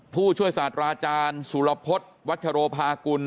ผู้ช่วยศาสตราอาจารย์สุรพฤษวัชโรภากุล